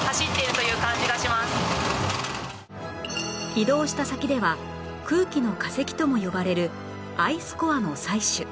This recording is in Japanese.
移動した先では「空気の化石」とも呼ばれるアイスコアの採取